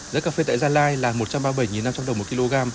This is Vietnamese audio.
giá cà phê tại gia lai là một trăm ba mươi bảy năm trăm linh đồng một kg